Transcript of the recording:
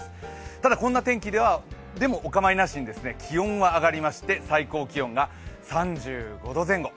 ただこんな天気でもお構いなしに気温は上がりまして最高気温が３５度前後。